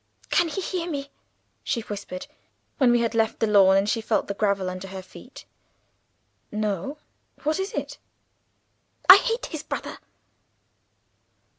"Can he hear me?" she whispered, when we had left the lawn, and she felt the gravel under her feet. "No. What is it?" "I hate his brother!"